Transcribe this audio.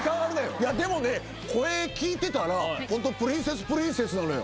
いやでもね声聞いてたらホントプリンセスプリンセスなのよ。